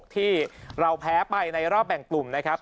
ที่เราแพ้ไปในรอบแบ่งกลุ่มนะครับ